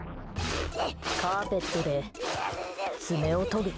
カーペットで爪をとぐ。